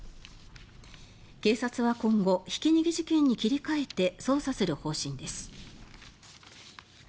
警察は今後ひき逃げ事件に切り替えて捜査する方針です。